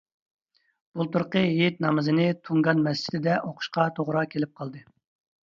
بۇلتۇرقى ھېيت نامىزىنى تۇڭگان مەسچىتىدە ئوقۇشقا توغرا كېلىپ قالدى.